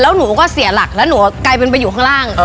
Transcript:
แล้วหนูก็เสียหลักแล้วหนูกลายเป็นไปอยู่ข้างล่าง